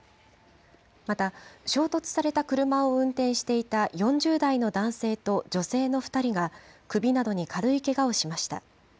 また、衝突された車を運転していた４０代の男性と女性の２人が、首などに軽いけがをしました。